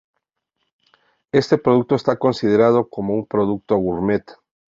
Este producto está considerado como un producto gourmet.